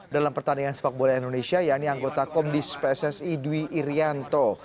dalam pertandingan sepak bola indonesia yaitu anggota komdis pssi dwi irianto